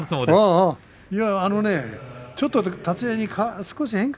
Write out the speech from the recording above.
あのねちょっと立ち合い変化